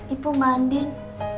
ibu mbak andin